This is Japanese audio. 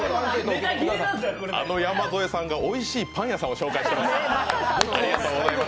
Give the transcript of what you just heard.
あの山添さんが、おいしいパン屋さんを紹介しています。